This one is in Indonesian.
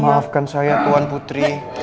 maafkan saya tuan putri